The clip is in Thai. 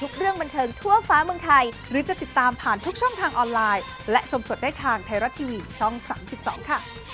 บรรเทิร์นบรรเทิร์นไทยรัก